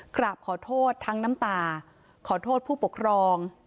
กราบขอโทษทั้งน้ำตาขอโทษผู้ปกครอง